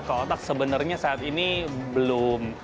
kalau otak sebenarnya saat ini belum